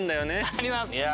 あります。